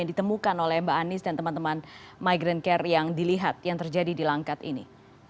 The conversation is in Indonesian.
yang ditemukan oleh mbak anies dan teman teman migrant care yang dilihat yang terjadi di langkat ini